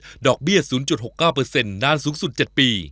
คนอยากมีธุรกิจดอกเบี้ย๐๖๙เปอร์เซ็นต์นานสูงสุด๗ปี